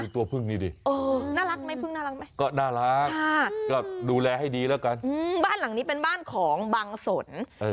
โทษเข้าหน่อย